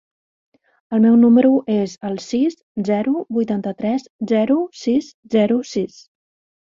El meu número es el sis, zero, vuitanta-tres, zero, sis, zero, sis.